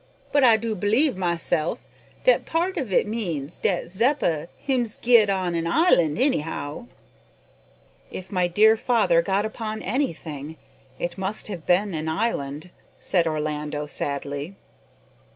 But, I do b'lieve myself, dat part of it means dat Zeppa hims git on an island, anyhow." "If my dear father got upon anything, it must have been an island," said Orlando sadly.